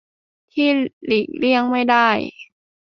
ที่หลีกเลี่ยงไม่ได้